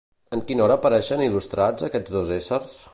En quina obra apareixen il·lustrats aquests dos éssers?